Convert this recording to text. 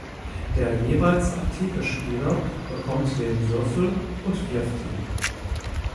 Der jeweils aktive Spieler bekommt den Würfel und wirft ihn.